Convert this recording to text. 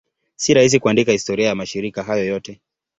Si rahisi kuandika historia ya mashirika hayo yote.